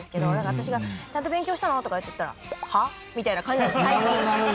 私が「ちゃんと勉強したの？」とか言ったら「は？」みたいな感じなんです最近。